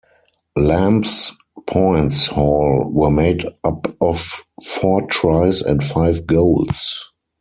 Lamb's points haul were made up of four tries and five goals.